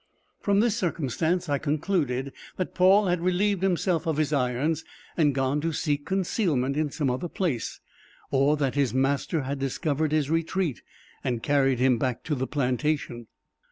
From this circumstance I concluded, that Paul had relieved himself of his irons and gone to seek concealment in some other place, or that his master had discovered his retreat and carried him back to the plantation.